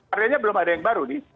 artinya belum ada yang baru nih